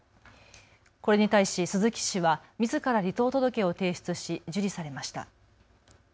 これに対し鈴木氏はみずから離党届を提出し受理されました。